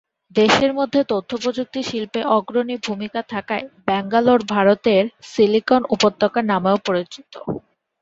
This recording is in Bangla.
দেশের মধ্যে তথ্যপ্রযুক্তি শিল্পে অগ্রণী ভূমিকা থাকায় ব্যাঙ্গালোর ভারতের সিলিকন উপত্যকা নামে ও পরিচিত।